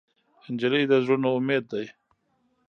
نجلۍ د زړونو امید ده.